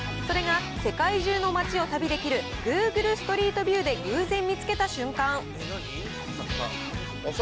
それが世界中の街を旅できるグーグルストリートビューで偶然見つけた瞬間。